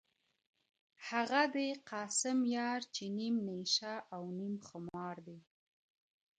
هغه دی قاسم یار چي نیم نشه او نیم خمار دی,